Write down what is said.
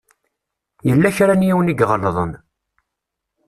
Yella kra n yiwen i iɣelḍen.